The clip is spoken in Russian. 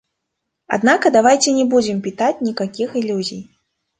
Однако давайте не будем питать никаких иллюзий.